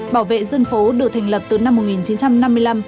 bảo vệ dân phố được thành lập từ năm một nghìn chín trăm năm mươi năm